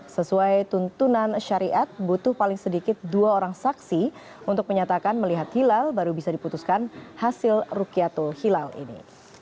sesuai tuntunan syariat butuh paling sedikit dua orang saksi untuk menyatakan melihat hilal baru bisa diputuskan hasil rukyatul hilal ini